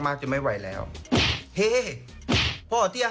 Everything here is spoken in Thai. และเฮเมื่อรู้สึกกลัวอะไรมาก